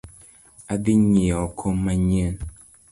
Adhi nyieo kom manyien